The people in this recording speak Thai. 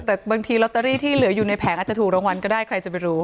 แต่บางทีลอตเตอรี่ที่เหลืออยู่ในแผงอาจจะถูกรางวัลก็ได้ใครจะไปรู้